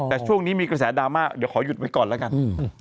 แต่ช่วงนี้มีกระแสดราม่าเดี๋ยวขอหยุดไว้ก่อนแล้วกัน